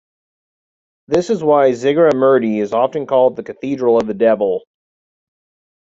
This is why Zugarramurdi is often called "The Cathedral of the Devil".